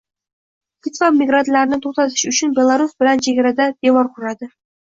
Litva migrantlarni to‘xtatish uchun Belarus bilan chegarada devor quradi